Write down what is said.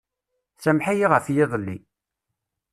Sameḥ-iyi ɣef yiḍelli.